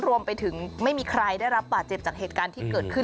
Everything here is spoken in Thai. รวมไปถึงไม่มีใครได้รับบาดเจ็บจากเหตุการณ์ที่เกิดขึ้น